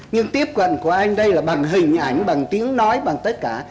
nhưng tiếp cận của anh đây là bằng hình ảnh bằng tiếng nói bằng tất cả